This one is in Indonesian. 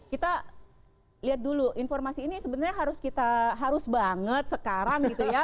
kita lihat dulu informasi ini sebenarnya harus kita harus banget sekarang gitu ya